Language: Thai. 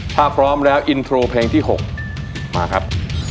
ถ้าพร้อมแล้วอินโทรเพลงที่๖มาครับ